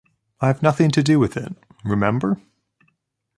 I’ve nothing to do with it, remember.